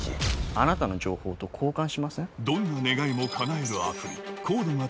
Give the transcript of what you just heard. あなたの情報と交換しません？